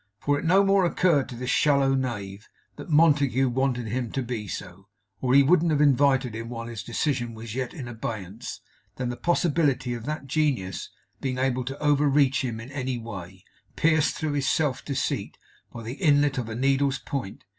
For it no more occurred to this shallow knave that Montague wanted him to be so, or he wouldn't have invited him while his decision was yet in abeyance, than the possibility of that genius being able to overreach him in any way, pierced through his self deceit by the inlet of a needle's point.